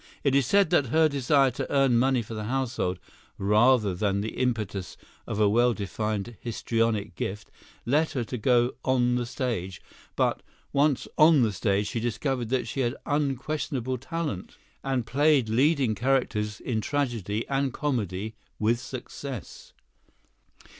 It is said that her desire to earn money for the household, rather than the impetus of a well defined histrionic gift, led her to go on the stage; but, once on the stage, she discovered that she had unquestionable talent, and played leading characters in tragedy and comedy with success.